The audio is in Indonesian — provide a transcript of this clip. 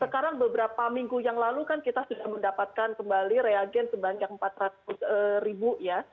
sekarang beberapa minggu yang lalu kan kita sudah mendapatkan kembali reagen sebanyak empat ratus ribu ya